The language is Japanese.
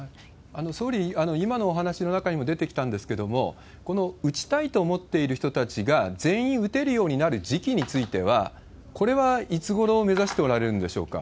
総理、今のお話の中にも出てきたんですけれども、この打ちたいと思っている人たちが全員打てるようになる時期については、これはいつごろを目指しておられるんでしょうか？